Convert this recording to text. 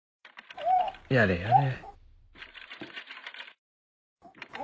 やれやれ。